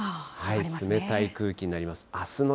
冷たい空気になります。